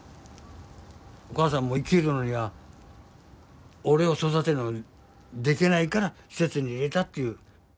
お母さんも生きるのには俺を育てるのできないから施設に入れたっていう。